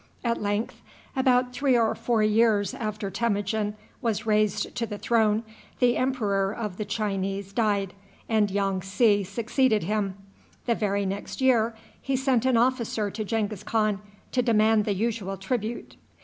At length, about three or four years after Temujin was raised to the throne, the emperor of the Chinese died, and Yong tsi succeeded him. The very next year he sent an officer to Genghis Khan to demand the usual tribute.